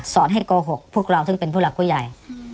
ให้โกหกพวกเราซึ่งเป็นผู้หลักผู้ใหญ่